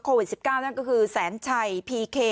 โควิดสิบเก้านั่นก็คือแสนชัยพีเค